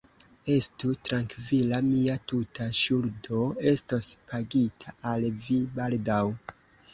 Estu trankvila, mia tuta ŝuldo estos pagita al vi baldaŭ.